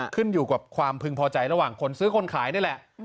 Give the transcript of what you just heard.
ขึ้นอยู่กับความพึงพอใจระหว่างคนซื้อคนขายนี่แหละ